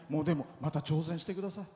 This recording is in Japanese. また挑戦してください。